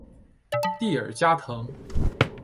蒂尔加滕。